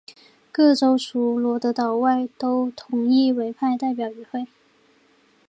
各州除罗德岛外都同意委派代表与会。